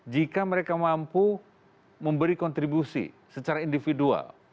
jika mereka mampu memberi kontribusi secara individual